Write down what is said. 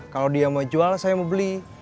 kalau dia mau jual saya mau beli